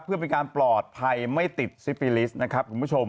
เพื่อเป็นการปลอดภัยไม่ติดซิปิลิสต์นะครับคุณผู้ชม